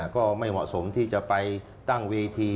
ก็ไม่เหมาะสมที่จะไปตั้งเวที